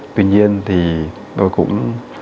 tuy nhiên thì tôi cũng